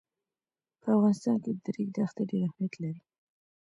په افغانستان کې د ریګ دښتې ډېر اهمیت لري.